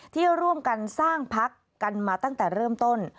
ที่ร่วมกันสร้างพักกันมาตั้งแต่เริ่มต้น